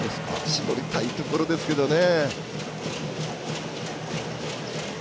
絞りたいところですけどね。